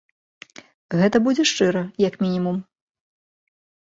Гэта будзе шчыра, як мінімум.